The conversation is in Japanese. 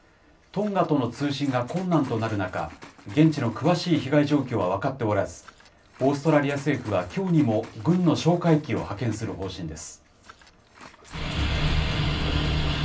トンガとの通信が困難となる中、現地の詳しい被害状況は分かっておらず、オーストラリア政府は、きょうにも軍の哨戒機を派遣する方針です。